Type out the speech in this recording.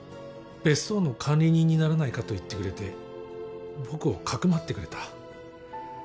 別荘の管理人にならないかと言ってくれて僕をかくまってくれた。